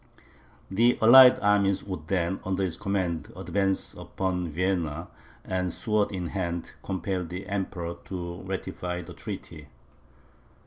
The allied armies would then, under his command, advance upon Vienna, and sword in hand, compel the Emperor to ratify the treaty."